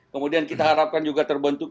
kemudian kita harapkan juga terbentuk